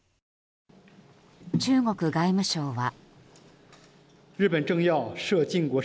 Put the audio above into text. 中国外務省は。